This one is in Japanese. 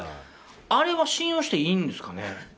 あれは信用していいんですかね？